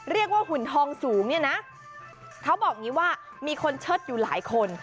หุ่นทองสูงเนี่ยนะเขาบอกอย่างนี้ว่ามีคนเชิดอยู่หลายคน